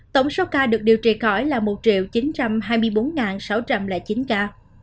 tổng số ca được điều trị khỏi là một chín trăm hai mươi bốn sáu trăm linh chín ca